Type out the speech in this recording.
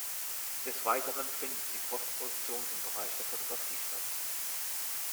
Des Weiteren findet die Postproduktion im Bereich der Fotografie statt.